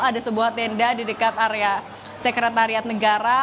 ada sebuah tenda di dekat area sekretariat negara